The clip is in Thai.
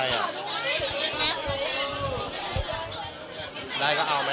ตลกมากเลย